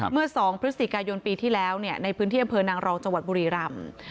เมื่อ๒พฤศจิกายนปีที่แล้วในพื้นที่อำเภอนางรองจังหวัดบุรีรำ